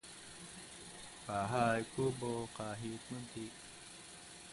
You must answer it of course — and speedily.